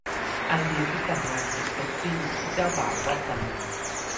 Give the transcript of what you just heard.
ไอเดียชุดแต่งงานสุดเซ็กซี่ ที่เจ้าบ่าวต้องตะลึง